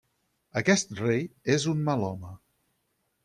Aquest rei és un mal home.